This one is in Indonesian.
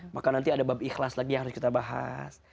maka nanti ada bab ikhlas lagi yang harus kita bahas